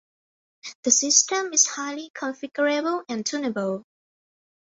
The system is highly configurable and tunable.